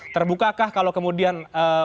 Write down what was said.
terbukakah kalau kemudian